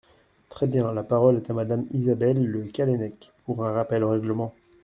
Très bien ! La parole est à Madame Isabelle Le Callennec, pour un rappel au règlement.